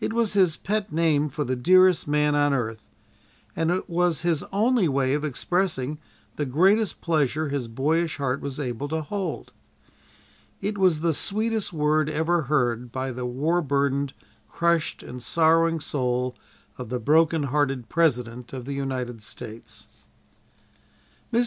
It was his pet name for the dearest man on earth, and it was his only way of expressing the greatest pleasure his boyish heart was able to hold. It was the "sweetest word ever heard" by the war burdened, crushed and sorrowing soul of the broken hearted President of the United States. Mr.